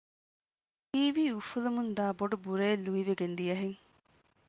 ހީވީ އުފުލަމުންދާ ބޮޑު ބުރައެއް ލުއިވެގެން ދިޔަ ހެން